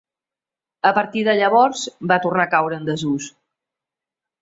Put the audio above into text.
A partir de llavors va tornar a caure en desús.